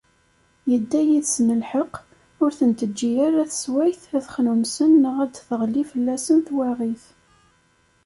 Yedda yid-sen lḥeqq, ur ten-teğği ara teswayt ad xnunsen neɣ d-teɣli fell-asen twaɣit.